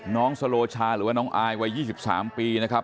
น้องสโลชาหรือว่าน้องอายวัย๒๓ปีนะครับ